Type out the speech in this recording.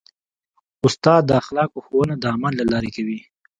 استاد د اخلاقو ښوونه د عمل له لارې کوي.